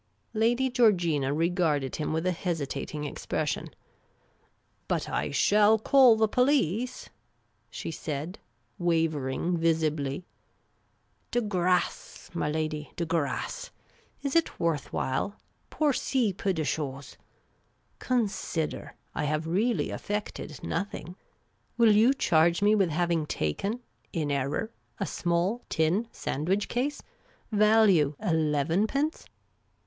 '' Lady Georgina regarded him with a hesitating expression. " But I shall call the police," she said, wavering visibly. " Dcgrdcc, my lady, dc gr&cc ! Is it worth while, pour si pen de chose f Consider, I have really effected nothing. Will you charge me with having taken — in error — a small tin sandwich case — value, elevenpence